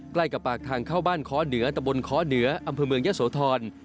ใกล้กับปากทางเข้าบ้านค้อเหนือตะบนค้อเหนืออำเภอเมืองยะโสธร